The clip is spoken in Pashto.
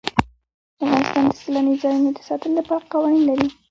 افغانستان د سیلاني ځایونو د ساتنې لپاره قوانین لري.